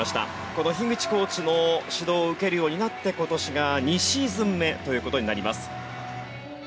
この樋口コーチの指導を受けるようになって今年が２シーズン目という事になります。